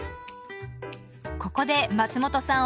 ここで松本さん